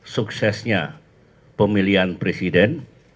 suksesnya pemilihan presiden